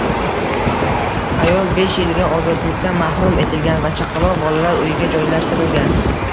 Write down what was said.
Ayolbeshyilga ozodlikdan mahrum etilgan va chaqaloq bolalar uyiga joylashtirilgan